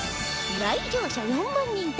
来場者４万人突破！